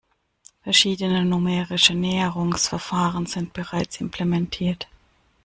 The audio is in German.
Verschiedene numerische Näherungsverfahren sind bereits implementiert.